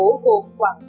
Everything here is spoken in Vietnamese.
của quảng nam quảng ninh